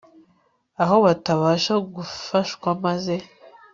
aho batabasha gufashwa maze